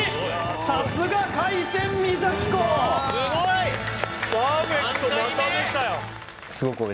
さすが海鮮三崎港スゴい！